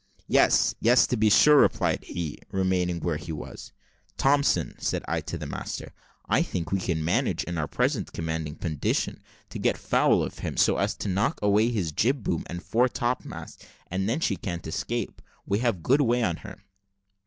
"Yes yes, to be sure," replied he, remaining where he was. "Thompson," said I to the master, "I think we can manage in our present commanding position, to get foul of him, so as to knock away his jib boom and fore topmast, and then she can't escape. We have good way on her."